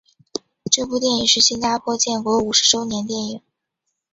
这部电影是新加坡建国五十周年电影。